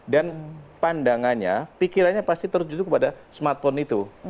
dan pandangannya pikirannya pasti terjunjuk pada smartphone itu